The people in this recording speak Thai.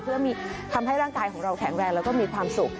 เพื่อทำให้ร่างกายของเราแข็งแรงแล้วก็มีความสุข